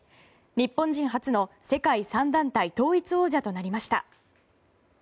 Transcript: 日本人初の世界３団体統一王者となりました。